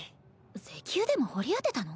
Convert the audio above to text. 石油でも掘り当てたの？